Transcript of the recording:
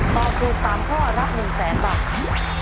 ตอบทุน๓ข้อรับ๑๐๐๐๐๐บาท